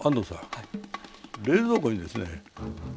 冷蔵庫にですね